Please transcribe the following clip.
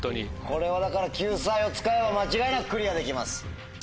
これはだから救済を使えば間違いなくクリアできます。